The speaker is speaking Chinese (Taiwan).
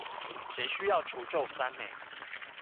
誰需要除皺酸梅